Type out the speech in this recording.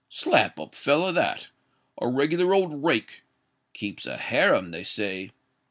_'—Slap up fellow, that—a regular old rake: keeps a harem, they say.